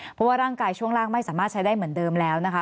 เพราะว่าร่างกายช่วงล่างไม่สามารถใช้ได้เหมือนเดิมแล้วนะคะ